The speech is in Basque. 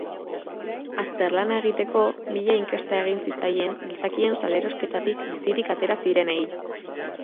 Azterlana egiteko mila inkesta egin zitzaien gizakien salerosketatik bizirik atera zirenei.